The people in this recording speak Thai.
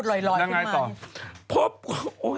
จากกระแสของละครกรุเปสันนิวาสนะฮะ